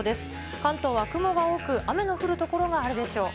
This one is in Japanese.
関東は雲が多く、雨の降る所があるでしょう。